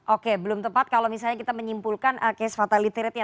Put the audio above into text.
oke belum tepat kalau misalnya kita menyimpulkan case fatality ratenya